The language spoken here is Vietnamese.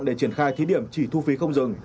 để triển khai thí điểm chỉ thu phí không dừng